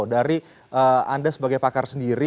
dari anda sebagai pakar sendiri